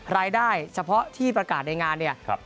รายได้เฉพาะที่ประกาศในงานเนี่ย